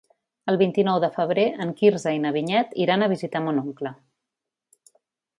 El vint-i-nou de febrer en Quirze i na Vinyet iran a visitar mon oncle.